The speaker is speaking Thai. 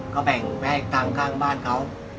ก็แบ่งไปให้ต่างข้างบ้านเขา